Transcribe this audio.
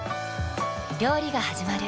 料理がはじまる。